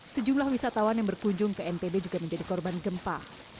sejumlah wisatawan yang berkunjung ke ntb juga menjadi korban gempa